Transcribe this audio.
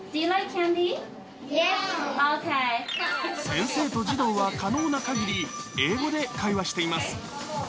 先生と児童は可能なかぎり、英語で会話しています。